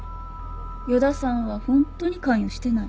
与田さんは本当に関与してない？